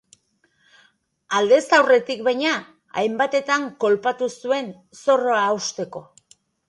Aldez aurretik, baina, hainbatetan kolpatu zuen, zorroa osteko.